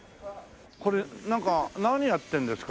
これなんか何やってるんですか？